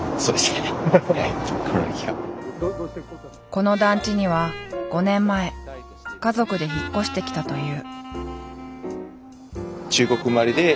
この団地には５年前家族で引っ越してきたという。